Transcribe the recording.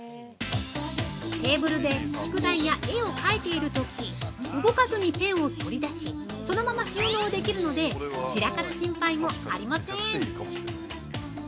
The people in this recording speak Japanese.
◆テーブルで宿題や絵を描いているとき動かずにペンを取り出しそのまま収納できるので散らかる心配もありません。